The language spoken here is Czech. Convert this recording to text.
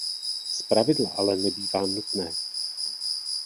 Zpravidla ale nebývá nutné.